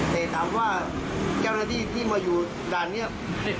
แต่ถามว่าเจ้าหน้าที่ที่มาอยู่ด่านนี้